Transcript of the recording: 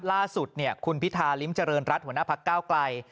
ล่าสุดเนี่ยคุณพิธาลิ้มเจริญรัฐหัวหน้าภักดิ์ก้าวไกล